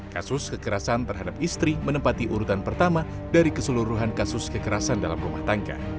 kasus kekerasan terhadap istri menempati urutan pertama dari keseluruhan kasus kekerasan dalam rumah tangga